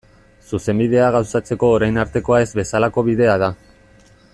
Zuzenbidea gauzatzeko orain artekoa ez bezalako bidea da.